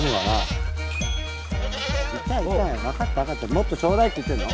もっとちょうだいって言ってんの？